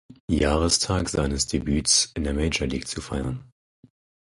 Jahrestag seines Debüts in der Major League zu feiern.